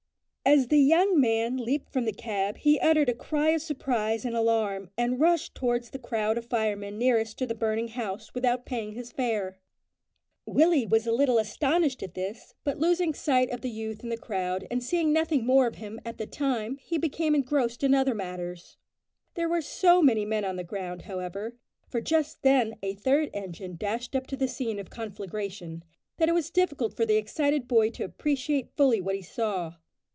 As the young man leaped from the cab he uttered a cry of surprise and alarm, and rushed towards the crowd of firemen nearest to the burning house without paying his fare. Willie was a little astonished at this, but losing sight of the youth in the crowd, and seeing nothing more of him at that time, he became engrossed in other matters. There were so many men on the ground, however for just then a third engine dashed up to the scene of conflagration that it was difficult for the excited boy to appreciate fully what he saw.